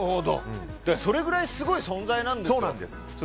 それぐらいすごい存在なんですよ。